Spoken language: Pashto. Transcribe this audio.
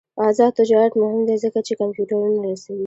آزاد تجارت مهم دی ځکه چې کمپیوټرونه رسوي.